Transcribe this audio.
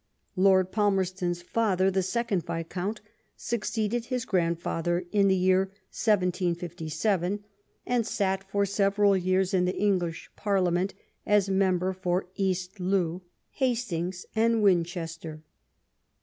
Lord Palmer ston's father, the second Viscount, succeeded his grand father in the year 1767, and sat for several years in the English Parliament as member for East Looe, Has tings, and Winchester.